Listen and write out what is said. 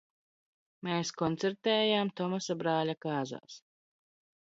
Mēs koncertējām Tomasa brāļa kāzās.